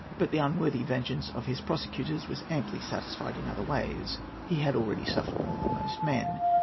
But the unworthy vengeance of his persecutors was amply satisfied in other ways. He had already suffered more than most men.